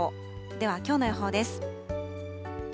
ではきょうの予報です。